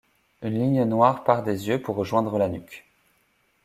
Une ligne noire part des yeux pour rejoindre la nuque.